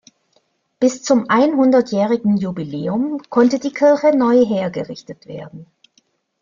Bis zum einhundertjährigen Jubiläum konnte die Kirche neu hergerichtet werden.